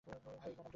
The legion of ডুম?